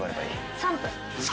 ３分？